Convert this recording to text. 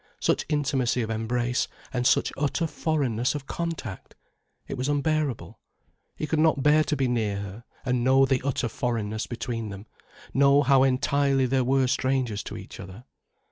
Such intimacy of embrace, and such utter foreignness of contact! It was unbearable. He could not bear to be near her, and know the utter foreignness between them, know how entirely they were strangers to each other.